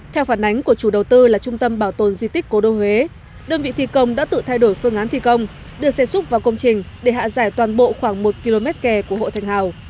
theo phản ánh của chủ đầu tư là trung tâm bảo tồn di tích cố đô huế đơn vị thi công đã tự thay đổi phương án thi công đưa xe xúc vào công trình để hạ giải toàn bộ khoảng một km kè của hộ thành hào